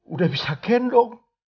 udah bisa gendong